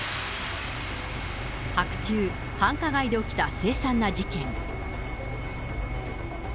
白昼、繁華街で起きた凄惨な事件。